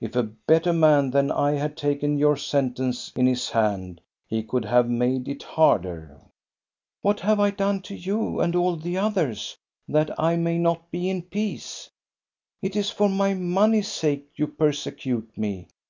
If 72 THE STORY OF GOSTA BERUNG a better man than I had taken your sentence in his hand, he could have made it harder." What have I done to you and all the others, that I may not be in peace? It is for my money's sake you persecute me.